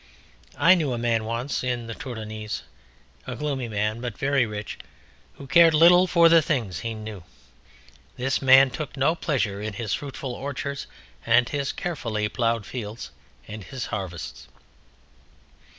I knew a man once in the Tourdenoise, a gloomy man, but very rich, who cared little for the things he knew. This man took no pleasure in his fruitful orchards and his carefully ploughed fields and his harvests.